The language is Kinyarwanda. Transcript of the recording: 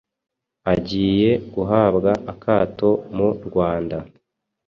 agiye guhabwa akato mu Rwanda